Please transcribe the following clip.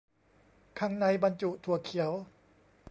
ข้างในบรรจุถั่วเขียว